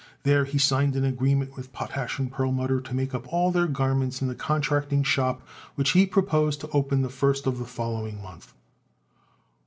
There he signed an agreement with Potash & Perlmutter to make up all their garments in the contracting shop which he proposed to open the first of the following month.